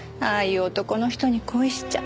いう男の人に恋しちゃ。